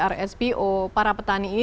rspo para petani ini